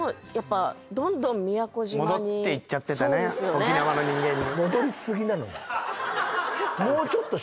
沖縄の人間に。